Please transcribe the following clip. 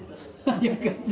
よかった。